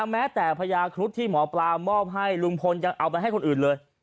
แม้แต่พญาครุฑที่หมอปลามอบให้ลุงพลยังเอาไปให้คนอื่นเลย